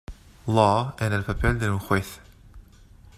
Law" en el papel de un juez.